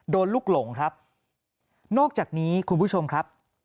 ลูกหลงครับนอกจากนี้คุณผู้ชมครับ